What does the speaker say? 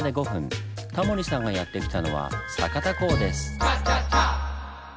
タモリさんがやって来たのは酒田港です。